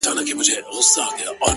• ښايستو نجونو به گرځول جامونه,